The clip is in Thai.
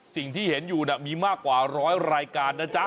สิ่งที่เห็นอยู่มีมากกว่าร้อยรายการนะจ๊ะ